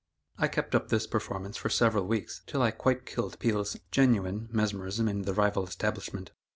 I kept up this performance for several weeks, till I quite killed Peale's "genuine" mesmerism in the rival establishment.